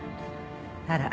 あら。